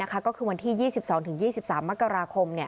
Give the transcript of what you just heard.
ก็คือวันที่๒๒๒๓มค